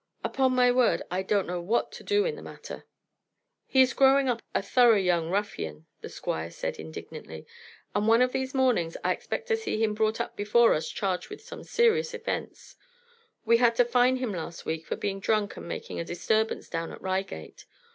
Upon my word, I don't know what to do in the matter." "He is growing up a thorough young ruffian," the Squire said indignantly, "and one of these mornings I expect to see him brought up before us charged with some serious offense. We had to fine him last week for being drunk and making a disturbance down at Reigate.